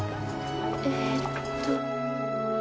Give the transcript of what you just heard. えっと。